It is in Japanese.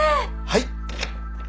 はい。